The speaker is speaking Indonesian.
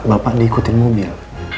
bapak diikuti mobil